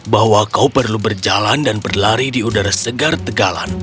bahwa kau perlu berjalan dan berlari di udara segar tegalan